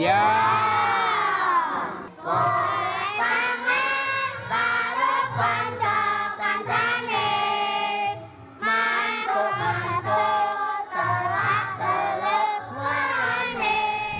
mantuk mantuk telak teluk serani